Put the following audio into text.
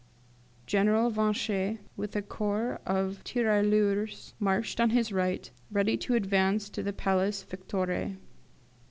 General Vachet, with a corps of 'tirailleurs', marched on his right, ready to advance to the Place Victoire.